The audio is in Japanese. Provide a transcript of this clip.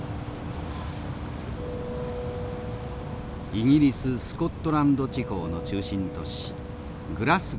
イギリススコットランド地方の中心都市グラスゴーです。